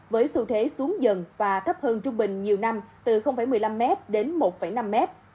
với xu thế xuống dần và thấp hơn trung bình nhiều năm từ một mươi năm m đến một năm m